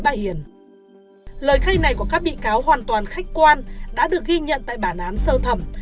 lời khai này của các bị cáo hoàn toàn khách quan đã được ghi nhận tại bản án sơ thẩm